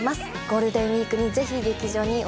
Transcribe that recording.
ゴールデンウィークにぜひ劇場にお越しください。